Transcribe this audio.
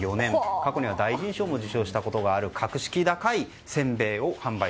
過去には金賞も受賞したことがある格式高いせんべい屋さんです。